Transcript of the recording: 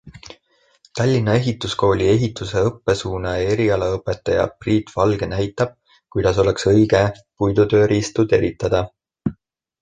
Tallinna Ehituskooli ehituse õppesuuna erialaõpetaja Priit Valge näitab, kuidas oleks õige puidutööriistu teritada.